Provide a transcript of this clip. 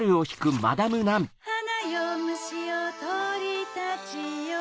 はなよむしよとりたちよ